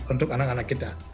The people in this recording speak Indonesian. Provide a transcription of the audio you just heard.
untuk anak anak kita